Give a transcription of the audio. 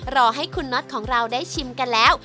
รอให้คุณน็อตของเราได้ชิมกันแล้ว